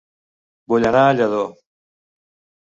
Vull anar a Lladó